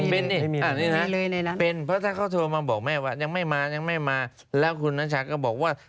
เป็นเพราะถ้าเขาโทรมาบอกแม่ว่ายังไม่มายังไม่มาแล้วคุณนัชชาก็บอกว่า